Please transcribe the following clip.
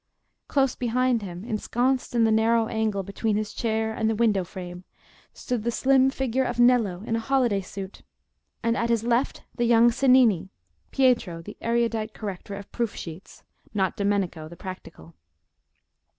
Close behind him, ensconced in the narrow angle between his chair and the window frame, stood the slim figure of Nello in holiday suit, and at his left the younger Cennini—Pietro, the erudite corrector of proof sheets, not Domenico the practical.